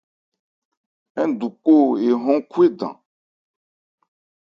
Ńdu kô ehɔ́n Khwédan.